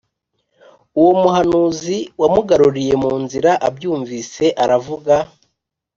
Uwo muhanuzi wamugaruriye mu nzira abyumvise aravuga